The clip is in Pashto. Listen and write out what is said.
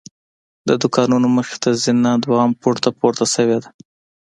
د دوکانونو مخې ته زینه دویم پوړ ته پورته شوې ده.